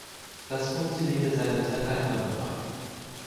Das funktionierte seinerzeit einwandfrei.